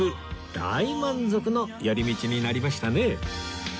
大満足の寄り道になりましたね